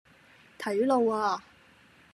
睇路呀